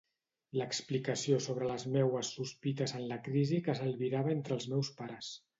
L'explicació sobre les meues sospites en la crisi que s'albirava entre els meus pares.